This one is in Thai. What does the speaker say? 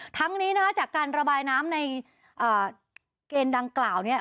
ทั้งนี้นะคะจากการระบายน้ำในเกณฑ์ดังกล่าวเนี่ย